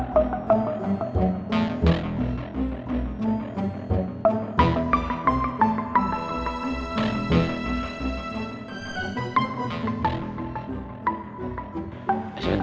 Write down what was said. bisa nggak keluar dari adjacent